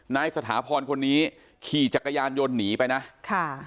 สถาพรคนนี้ขี่จักรยานยนต์หนีไปนะค่ะ